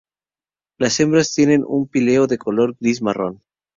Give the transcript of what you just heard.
Las hembras tienen un píleo de color gris-marrón.